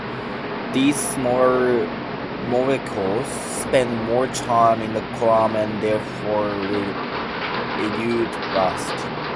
These smaller molecules spend more time in the column and therefore will elute last.